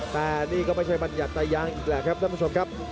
แต่นี่ก็ไม่ใช่บรรยัติตายางอีกแหละครับท่านผู้ชมครับ